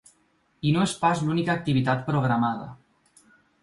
I no és pas l’única activitat programada.